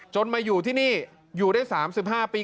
มาอยู่ที่นี่อยู่ได้๓๕ปี